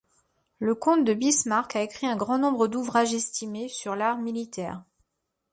Le comte de Bismarck a écrit un grand nombre d'ouvrages estimés sur l'art militaire.